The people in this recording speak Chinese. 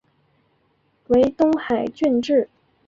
为东海郡治。